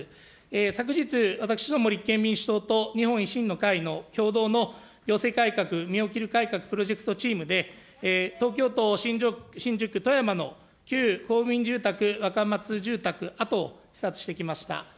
昨日、私ども立憲民主党と日本維新の会の共同の行政改革・身を切る改革プロジェクトチームで、東京都新宿区とやまの旧公務員住宅若松住宅跡を視察してきました。